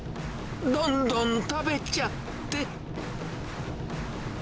どんどん食べちゃって。